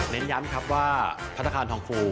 เน้นยันครับว่าพรรดิษฐาทองฟู